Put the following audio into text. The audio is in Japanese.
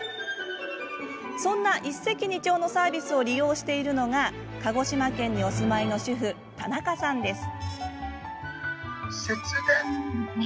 そんな一石二鳥のサービスを利用しているのが鹿児島県にお住まいの主婦田中さんです。